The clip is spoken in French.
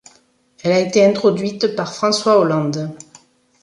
Elle a été introduite par François Hollande.